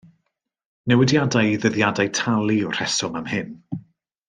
Newidiadau i ddyddiadau talu yw'r rheswm am hyn.